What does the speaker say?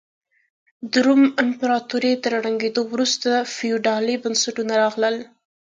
د روم امپراتورۍ تر ړنګېدو وروسته فیوډالي بنسټونه راغلل.